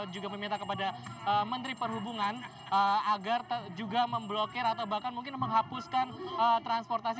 juga meminta kepada menteri perhubungan agar juga memblokir atau bahkan mungkin menghapuskan transportasi